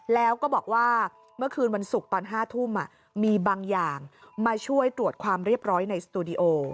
แล้วก็บอกว่าเมื่อคืนวันศุกร์ตอน๕ทุ่มมีบางอย่างมาช่วยตรวจความเรียบร้อยในสตูดิโอ